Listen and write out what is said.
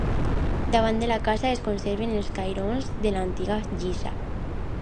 Davant de la casa es conserven els cairons de l'antiga lliça.